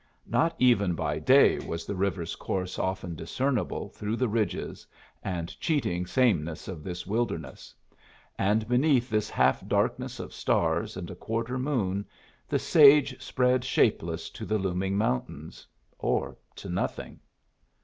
Not even by day was the river's course often discernible through the ridges and cheating sameness of this wilderness; and beneath this half darkness of stars and a quarter moon the sage spread shapeless to the looming mountains, or to nothing.